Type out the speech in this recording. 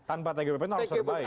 tanpa tgpp itu harus terbaik